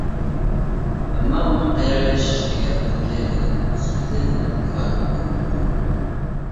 ئەمما ئۇنىڭ قەيەردە ئىشلەنگەنلىكى بىلەن، سۈپىتى بىلەن كارى بولمايدۇ.